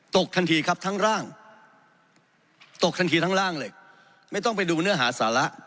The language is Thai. ทันทีครับทั้งร่างตกทันทีทั้งร่างเลยไม่ต้องไปดูเนื้อหาสาระ